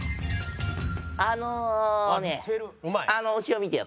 あのねあの後ろ見てよ。